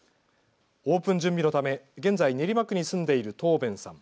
オープン準備のため現在、練馬区に住んでいるトーベンさん。